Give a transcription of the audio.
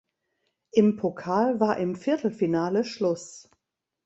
Im Pokal war im Viertelfinale Schluss.